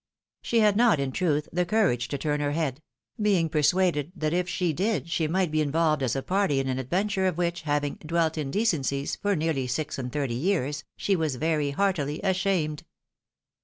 She had not, in truth, the courage to turn her head ; being persuaded that if she did, she might be involved as a party in an adventure of which, having " dwelt im decencies " for nearly sis and thirty years, she was very heartily ashamed.